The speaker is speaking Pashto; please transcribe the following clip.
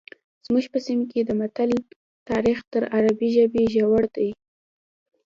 زموږ په سیمه کې د متل تاریخ تر عربي ژبې زوړ دی